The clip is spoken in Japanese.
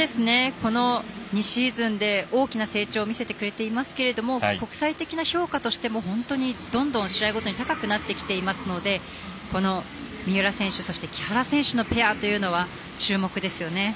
この２シーズンで大きな成長を見せてくれていますけれども国際的な評価としても本当にどんどん試合ごとに高くなってきていますのでこの三浦選手、木原選手のペアというのは注目ですよね。